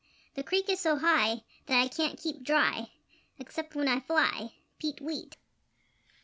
The creek is so high That I can't keep dry Except when I fly! Peet weet!